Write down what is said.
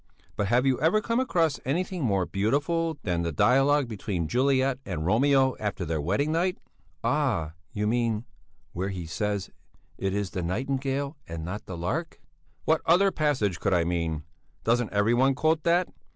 But have you ever come across anything more beautiful than the dialogue between Juliet and Romeo after their wedding night?" "Ah! You mean where he says, 'It is the nightingale and not the lark'...." "What other passage could I mean? Doesn't every one quote that?